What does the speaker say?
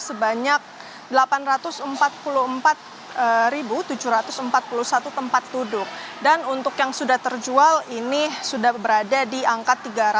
sebanyak delapan ratus empat puluh empat tujuh ratus empat puluh satu tempat duduk dan untuk yang sudah terjual ini sudah berada di angka tiga ratus